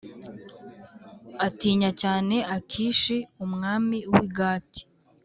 atinya cyane Akishi umwami w’i Gati.